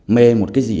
mê một cái gì